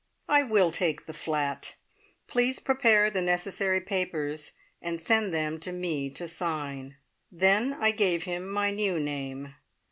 "I will take the flat. Please prepare the necessary papers, and send them to me to sign." Then I gave him my new name.